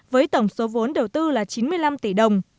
với tổng số vốn đầu tư là chín mươi năm tỷ đồng